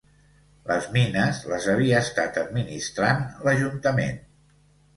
Les mines les havia estat administrant l'ajuntament.